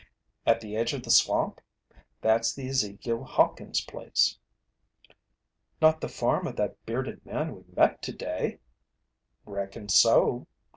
"At the edge of the swamp? That's the Ezekiel Hawkins' place." "Not the farm of that bearded man we met today!" "Reckon so."